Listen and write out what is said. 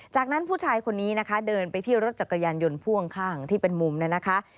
จากนั้นผู้ชายคนนี้นะคะเดินไปที่รถจักรยานยนต์พ่วงข้างที่เป็นมุมเนี่ยนะคะ